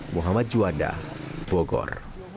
muhammad juanda bogor